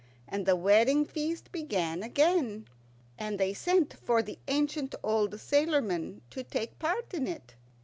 And the wedding feast began again, and they sent for the ancient old sailormen to take part in it.